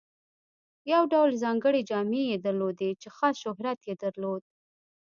یو ډول ځانګړې جامې یې درلودې چې خاص شهرت یې درلود.